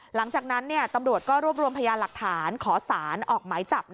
หลังจากนั้นตำรวจก็รวบรวมพยานหลักฐานขอสารออกหมายจับ